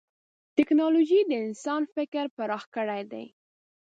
ټکنالوجي د انسان فکر پراخ کړی دی.